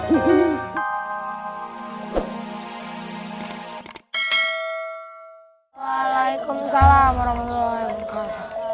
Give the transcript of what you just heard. assalamualaikum warahmatullahi wabarakatuh